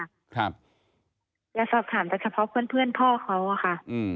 อยากสอบถามแต่เฉพาะเพื่อนพ่อเขาอะค่ะ